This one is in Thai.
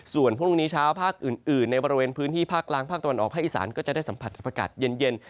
ส่วนพรุ่งนี้เช้าภาคอื่นในบริเวณพื้นที่ภาคกลางภาคตะวันออกภาคอีสานก็จะได้สัมผัสอากาศเย็น